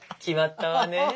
決まったわね。